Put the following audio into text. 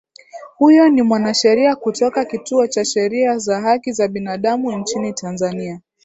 huyo ni mwanasheria kutoka kituo cha sheria na haki za binadamu nchini tanzania